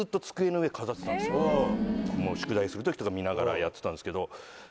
もう宿題する時とか見ながらやってたんですけど。